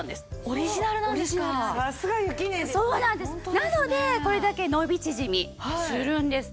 なのでこれだけ伸び縮みするんです。